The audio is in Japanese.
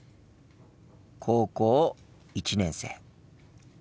高校１年生。